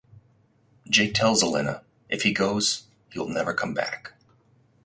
Jake tells Elena if he goes he will never come back.